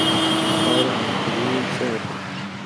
که خاوره القلي وي څه وکړم؟